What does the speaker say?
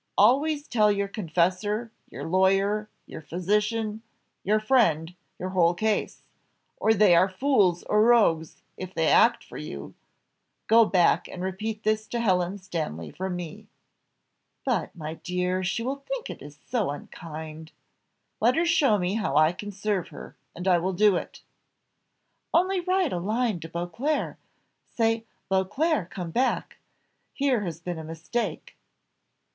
Always tell your confessor, your lawyer, your physician, your friend, your whole case, or they are fools or rogues if they act for you; go back and repeat this to Helen Stanley from me." "But, my dear, she will think it so unkind." "Let her show me how I can serve her, and I will do it." "Only write a line to Beauclerc say, 'Beauclerc come back, here has been a mistake.